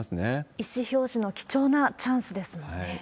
意思表示の貴重なチャンスですもんね。